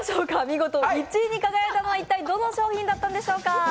見事１位に輝いたのは一体どの商品だったのでしょうか。